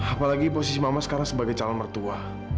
apalagi posisi mama sekarang sebagai calon mertua